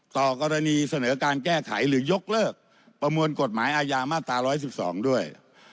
ต่อกรณีเสนอการแก้ไขหรือยกเลิกประมวลกฎหมายอาญามาตรา๑๑๒ด้วย